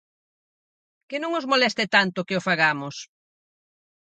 ¡Que non os moleste tanto que o fagamos!